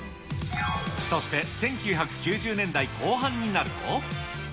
そして１９９０年代後半になると。